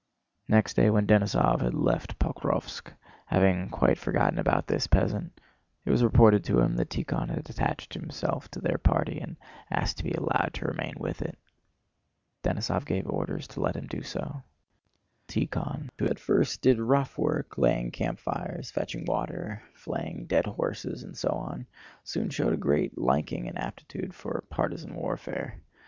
Next day when Denísov had left Pokróvsk, having quite forgotten about this peasant, it was reported to him that Tíkhon had attached himself to their party and asked to be allowed to remain with it. Denísov gave orders to let him do so. Tíkhon, who at first did rough work, laying campfires, fetching water, flaying dead horses, and so on, soon showed a great liking and aptitude for partisan warfare.